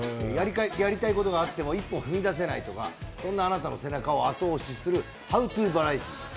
やりたいことがあっても一歩を踏み出せないとか、そんなあなたの背中を後押しするＨＯＷＴＯバラエティー。